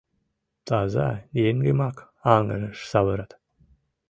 Таза еҥымак аҥыраш савырат...